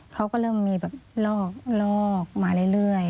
เขาก็เริ่มมีแบบลอกมาเรื่อย